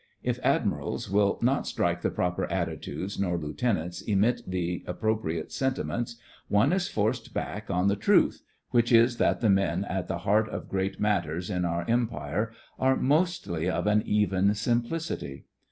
If Admirals will not strike the proper attitudes, nor lieutenants emit the appropriate sen timents, one is forced back on the truth, which is that the men at the heart of great matters in our Em pire are mostly of an even simplicity.